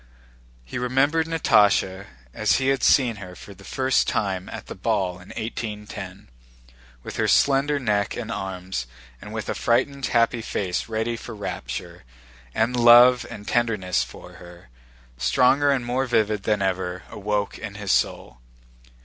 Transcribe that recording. He remembered Natásha as he had seen her for the first time at the ball in 1810, with her slender neck and arms and with a frightened happy face ready for rapture, and love and tenderness for her, stronger and more vivid than ever, awoke in his soul.